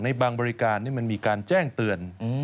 บางบริการมันมีการแจ้งเตือน